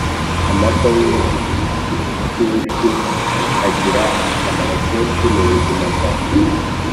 Amata y’inshushyu agira akomaro kenshi mu buzima bwa muntu